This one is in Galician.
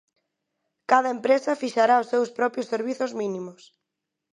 Cada empresa fixará os seus propios servizos mínimos.